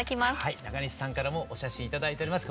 中西さんからもお写真頂いております。